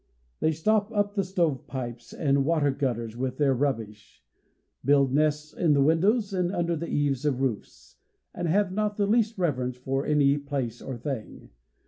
They stop up the stove pipes and water gutters with their rubbish, build nests in the windows, and under the eaves of the roofs, and have not the least reverence for any place or thing.